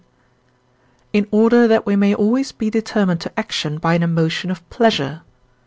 in order that we may always be determined to action by an emotion of pleasure.